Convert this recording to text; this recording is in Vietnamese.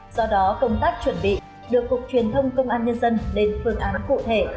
do đó công tác chuẩn bị được cục truyền thông công an nhân dân lên phương án cụ thể